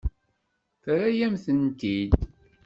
Terra-yam-tent-id.